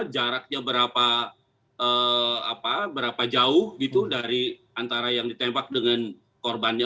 jaraknya berapa jauh gitu dari antara yang ditembak dengan korbannya